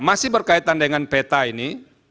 masih berkaitan dengan peta ini